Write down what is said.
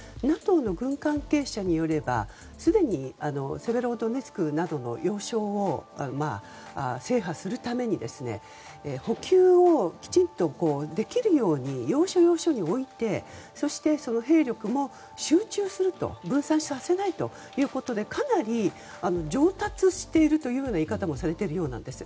ＮＡＴＯの軍関係者によればすでにセベロドネツクなどの要衝を制覇するために補給をきちんとできるように要所要所に置いてそして、兵力も集中すると分散させないということでかなり上達しているというような言い方もされているようなんです。